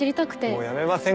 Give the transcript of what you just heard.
もうやめません？